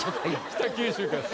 北九州から。